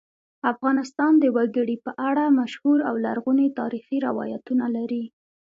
افغانستان د وګړي په اړه مشهور او لرغوني تاریخی روایتونه لري.